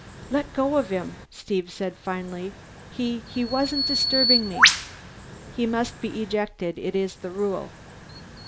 "Let go of him!" Steve said finally, "He he wasn't disturbing me." "He must be ejected. It is the rule."